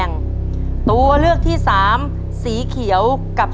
ต้นไม้ประจำจังหวัดระยองการครับ